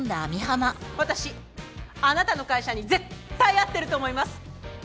私あなたの会社に絶対合ってると思います！